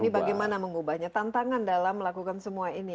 ini bagaimana mengubahnya tantangan dalam melakukan semua ini